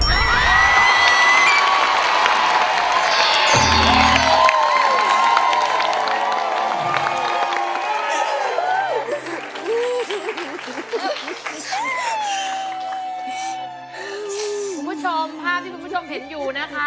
คุณผู้ชมภาพที่คุณผู้ชมเห็นอยู่นะคะ